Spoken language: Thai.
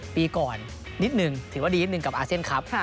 ปีก่อนนิดนึงถือว่าดีนิดนึงกับอาเซียนครับ